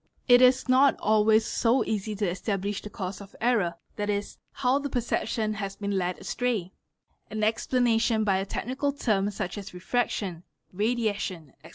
It is nol always so easy to establish the cause of error, 7.e., how the perception ha been led astray; an explanation by a technical term such as refraction radiation, etc.